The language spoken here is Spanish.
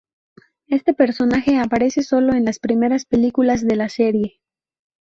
Este personaje aparece sólo en las primeras películas de la serie.